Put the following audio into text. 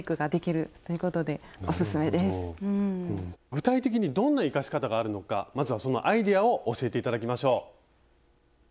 具体的にどんな生かし方があるのかまずはそのアイデアを教えて頂きましょう。